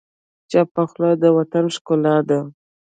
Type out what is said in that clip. چپه خوله، د باطن ښکلا ده.